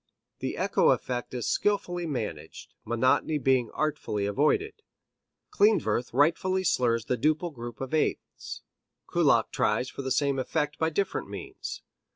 The echo effect is skilfully managed, monotony being artfully avoided. Klindworth rightfully slurs the duple group of eighths; Kullak tries for the same effect by different means.